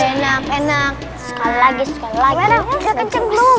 enggak kenceng belum